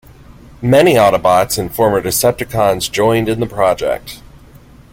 Many Autobots and former Decepticons joined in the project.